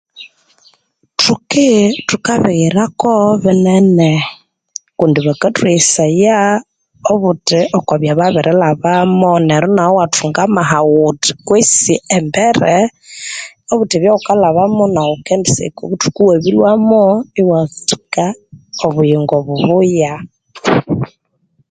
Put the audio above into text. Thukii thukabighirako binene kundi bakathweghesaya obundi okubibabirilhabamo neryo naghu iwathunga amaha ghuthi kwesi embere obuthi ebyaghukalhabamo nghu ghukendisyahika obuthuku iwabilhwamo iwatsuka obuyingo bubuya